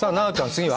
次は？